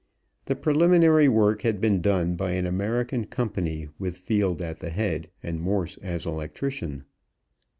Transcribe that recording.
The preliminary work had been done by an American company with Field at the head and Morse as electrician.